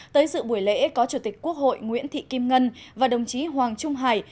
tới sự buổi lễ có chủ tịch quốc hội nguyễn thị kim ngân và đồng chí hoàng trung hải